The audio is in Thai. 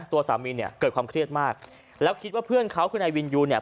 ตัวสามีเนี่ยเกิดความเครียดมากแล้วคิดว่าเพื่อนเขาคือนายวินยูเนี่ย